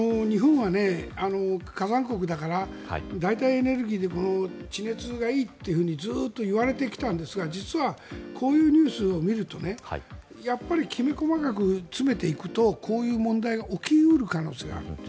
日本は火山国だから代替エネルギーでこの地熱がいいってずっと言われてきたんですが実は、こういうニュースを見るとやっぱりきめ細かく詰めていくとこういう問題が起き得る可能性があると。